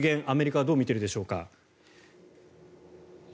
アメリカはどう見ているでしょうか。